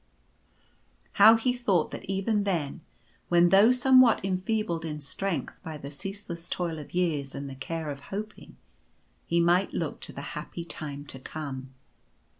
How he thought that even then, when though some what enfeebled in strength by the ceaseless toil of years and the care of hoping, he might look to the happy time to come.